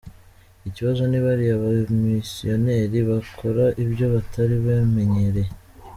Ikibazo ni bariya bamisiyoneri bakora ibyo batari bamenyereye.